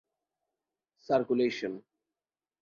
circulation